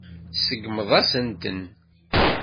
Tseggmeḍ-asen-ten.